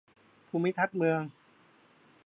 ภูมิทัศน์เมือง